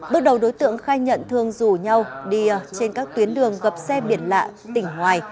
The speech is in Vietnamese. bước đầu đối tượng khai nhận thường rủ nhau đi trên các tuyến đường gập xe biển lạ tỉnh hoài